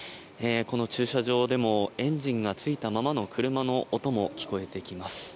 この駐車場でもエンジンがついたままの車の音も聞こえてきます。